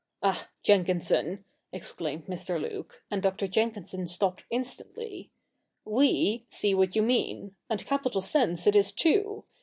'Ah, Jenkinson,' exclaimed Mr. Luke, and Dr. Jen kinson stopped instantly, ' ive see what you mean ; and capital sense it is too.